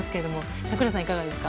櫻井さん、いかがでしたか？